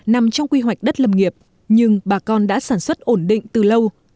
nằm trong quy hoạch đất lâm nghiệp nhưng bà con đã sản xuất ổn định từ lâu